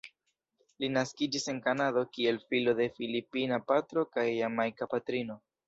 Li naskiĝis en Kanado kiel filo de filipina patro kaj jamajka patrino.